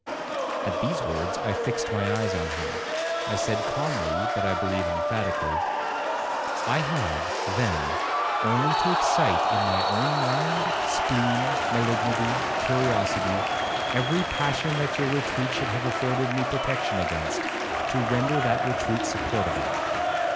At these words I fixed my eyes on him. I said calmly, but I believe emphatically, 'I have, then, only to excite in my own mind, spleen, malignity, curiosity, every passion that your retreat should have afforded me protection against, to render that retreat supportable.